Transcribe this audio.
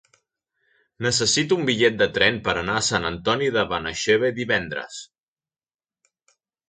Necessito un bitllet de tren per anar a Sant Antoni de Benaixeve divendres.